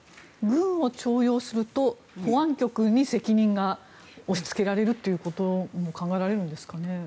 軍を重用すると保安局に責任が押しつけられるということも考えられるんですかね。